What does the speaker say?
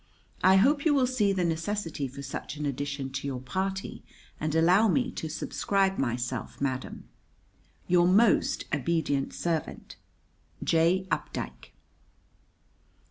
I hope you will see the necessity for such an addition to your party, and allow me to subscribe myself, madam, Your most obedient servant, J. UPDIKE.